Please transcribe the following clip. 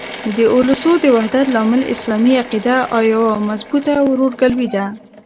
د اولسو د وحدت لامل اسلامي عقیده او یوه مضبوطه ورورګلوي ده.